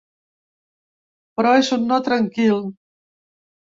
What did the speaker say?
Però és un no tranquil.